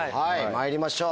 まいりましょう。